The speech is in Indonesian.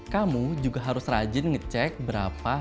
kamu juga harus rajin ngecek berapa